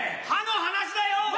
歯の話だよ！